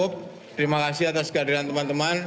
terima kasih atas kehadiran teman teman